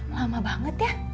lama banget ya